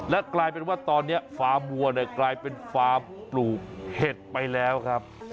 และกลายเป็นว่าตอนนี้ฟาร์มวัวเนี่ยกลายเป็นฟาร์มปลูกเห็ดไปแล้วครับ